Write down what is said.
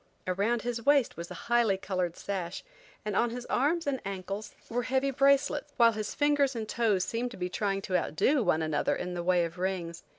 Around his waist was a highly colored sash, and on his arms and ankles were heavy bracelets, while his fingers and toes seemed to be trying to outdo one another in the way of rings.